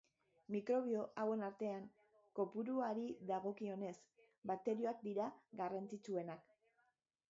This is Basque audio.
Mikrobio hauen artean, kopuruari dagokionez, bakterioak dira garrantzitsuenak.